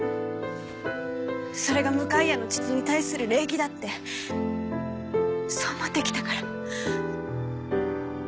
それが向谷の父に対する礼儀だってそう思ってきたから。